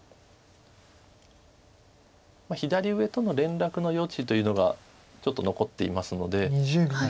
左上との連絡の余地というのがちょっと残っていますので。